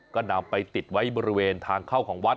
ก็นำไปติดไว้บริเวณทางเข้าของวัด